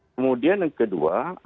kemudian yang kedua